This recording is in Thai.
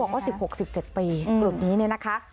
เขาบอกว่า๑๖๑๗ปีหลวงนี้เนี่ยนะคะ